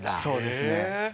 そうですね。